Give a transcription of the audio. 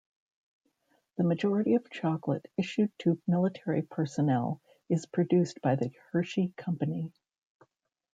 The majority of chocolate issued to military personnel is produced by the Hershey Company.